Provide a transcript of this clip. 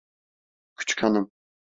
Küçük hanım.